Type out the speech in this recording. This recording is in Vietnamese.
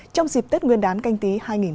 trong dịp tết nguyên đán canh tí hai nghìn hai mươi